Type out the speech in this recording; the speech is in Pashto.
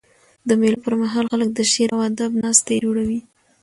د مېلو پر مهال خلک د شعر او ادب ناستي جوړوي.